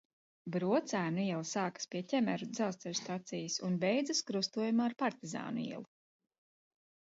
Brocēnu iela sākas pie Ķemeru dzelzceļa stacijas un beidzas krustojumā ar Partizānu ielu.